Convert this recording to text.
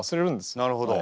なるほど。